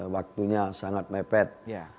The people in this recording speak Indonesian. waktunya sangat mepet